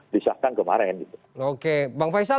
disahkan kemarin gitu oke bang faisal